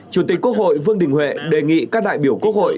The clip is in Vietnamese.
chủ tịch quốc hội vương đình huệ đề nghị các đại biểu quốc hội